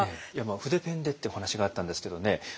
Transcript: いや筆ペンでってお話があったんですけどね